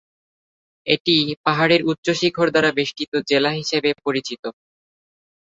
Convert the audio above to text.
এটি পাহাড়ের উচ্চ শিখর দ্বারা বেষ্টিত জেলা হিসেবে পরিচিত।